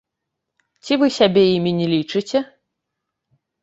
Ці вы сябе імі не лічыце?